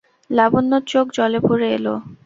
লাবণ্যর চোখ জলে ভরে এল।